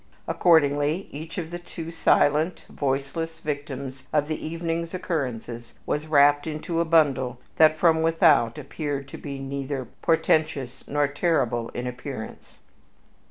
Accordingly, each of the two silent, voiceless victims of the evening's occurrences was wrapped into a bundle that from without appeared to be neither portentous nor terrible in appearance.